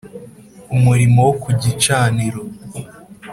Umurimo wo ku gicaniro